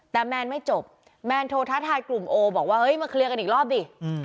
แต่แมนไม่จบแมนโทรท้าทายกลุ่มโอบอกว่าเฮ้ยมาเคลียร์กันอีกรอบดิ